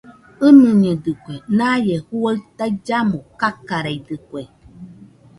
ɨnɨñedɨkue, naie juaɨ taillamo kakareidɨkue